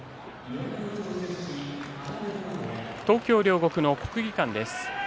東京・両国の国技館です。